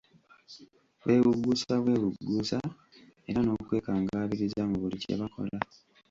Bewugguusa bwewugguusa era n'okwekangabiriza mu buli kye bakola.